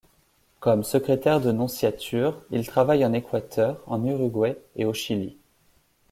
Comme secrétaire de nonciature, il travaille en Équateur, en Uruguay et au Chili.